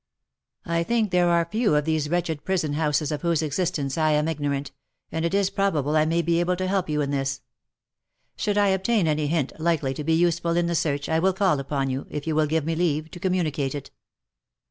I think there are few of these wretched prison houses of whose existence I am ignorant, and it is probable 1 may be able to help you in this. Should I obtain any hint likely to be useful in the p 210 THE LIFE AND ADVENTURES search, I will call upon you, if you will give me leave, to communi cate it."